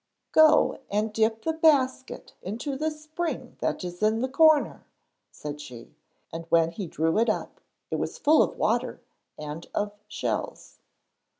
'Go and dip the basket into the spring that is in the corner,' said she, and when he drew it up it was full of water and of shells.